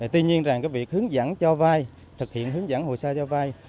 tuy nhiên việc hướng dẫn cho vai thực hiện hướng dẫn hồ sơ cho vai